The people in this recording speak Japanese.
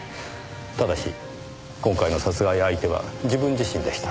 ただし今回の殺害相手は自分自身でした。